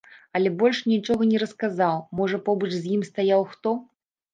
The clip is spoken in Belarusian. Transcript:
Але больш нічога не расказаў, можа, побач з ім стаяў хто.